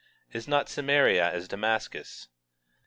Is not Samaria as Damascus?